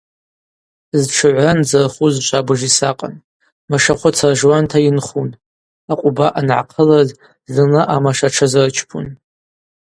Зтшыгӏвра нзырхуз швабыж йсакъын, машахвыц ржуанта йынхун, акъвба ангӏахъылрыз зынла амаша тшазырчпун.